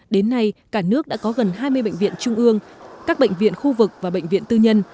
đến nay cả nước đã có gần hai mươi bệnh viện trung ương các bệnh viện khu vực và bệnh viện tư nhân